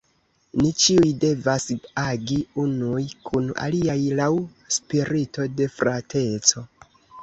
Ni ĉiuj devas agi unuj kun aliaj laŭ spirito de frateco.